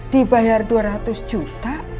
dibayar dua ratus juta